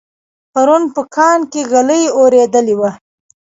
پرون په کاڼ کې ږلۍ اورېدلې وه